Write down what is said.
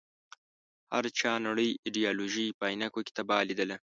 هر چا نړۍ د ایډیالوژۍ په عينکو کې تباه ليدله.